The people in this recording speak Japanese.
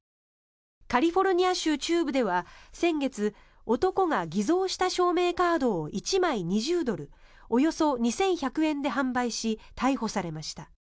カリフォルニア州中部では先月、男が偽造した証明カードを１枚２０ドルおよそ２１００円で販売し逮捕されました。